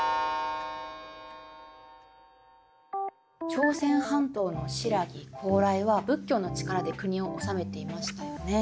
朝鮮半島の新羅高麗は仏教の力で国を治めていましたよね。